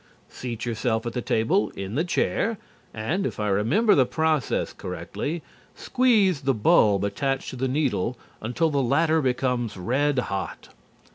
Seat yourself at the table in the chair and (if I remember the process correctly) squeeze the bulb attached to the needle until the latter becomes red hot.